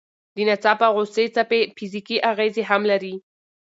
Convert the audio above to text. د ناڅاپه غوسې څپې فزیکي اغېزې هم لري.